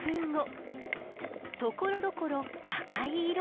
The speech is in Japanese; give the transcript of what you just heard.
ところどころ赤い色も。